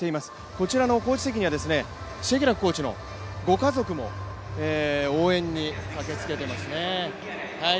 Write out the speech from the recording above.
こちらのコーチ席にはシェケラックコーチのご家族も応援に駆けつけていますね。